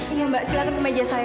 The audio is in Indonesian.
ini mbak silakan ke meja saya